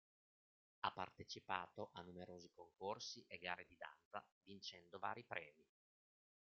Ha partecipato a numerosi concorsi e gare di danza, vincendo vari premi.